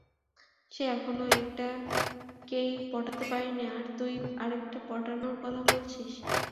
সে এখনও একটা কেই পটাতে পারেনি, আর তুই আরেকটা পটানোর কথা বলছিস!